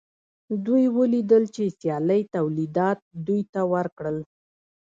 دوی ولیدل چې سیالۍ تولیدات دوی ته ورکړل